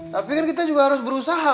tapi kan kita juga harus berusaha